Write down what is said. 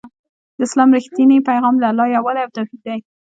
د اسلام رښتينی پيغام د الله يووالی او توحيد دی